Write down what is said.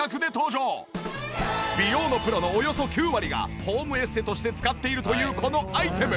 美容のプロのおよそ９割がホームエステとして使っているというこのアイテム。